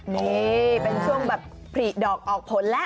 นี่เป็นช่วงแบบผลิดอกออกผลแล้ว